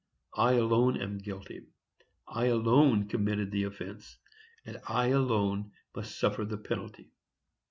I alone am guilty, I alone committed the offence, and I alone must suffer the penalty.